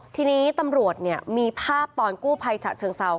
ทีนี้ตำรวจมีภาพตอนกู้ภัยฉะเชิงเซา